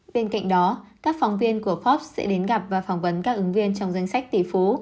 bên cạnh đó các phóng viên của forbes sẽ đến gặp và phỏng vấn các ứng viên trong danh sách tỷ phú